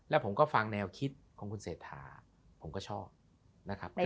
แล้วผมก็ฟังแนวคิดของคุณเศรษฐาผมก็ชอบนะครับ